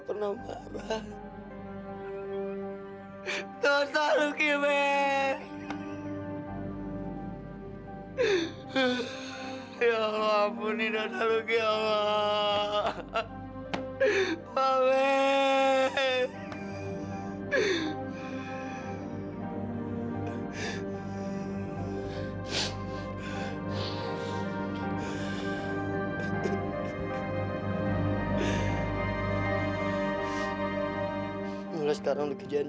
perasaan kan perasaan kan